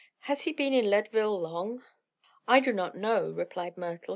"Has he been in Leadville long?" "I do not know," replied Myrtle.